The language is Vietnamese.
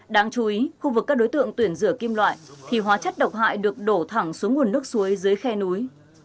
đáng chú ý khu vực các đối tượng tuyển rửa kim loại thì hóa chất độc hại được đổ thẳng xuống nguồn nước suối dưới khe núi